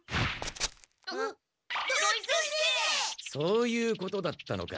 そういうことだったのか。